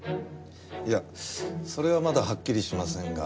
いやそれはまだはっきりしませんが。